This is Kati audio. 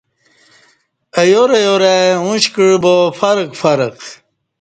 ایار ایار ای اوݩش کعہ با فرق فرق